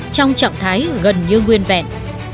trong trạng thái gần như nguyên vẹn